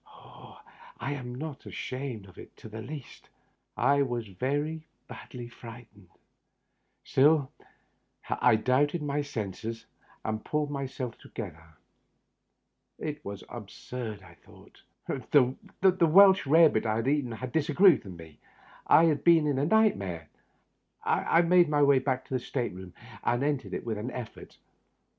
I am not ashamed of it in the least : I was very badly fright ened. Still I doubted my senses, and pulled myself togeth Digitized by VjOOQIC 88 THE UPPER BERTH. er. It was absurd, I thought. The "Welsh rare bit I had eaten had disagreed with me. I had been in a nightmare. I made my way back to my state room, and entered it with an effort.